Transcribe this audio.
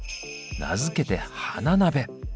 名付けて「花鍋」。